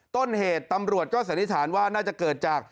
ต้นเหตุตำรวจก็สันนิษฐานว่าน่าจะเกิดจาก